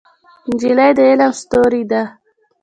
نجلۍ د علم ستورې ده.